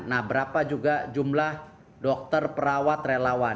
nah berapa juga jumlah dokter perawat relawan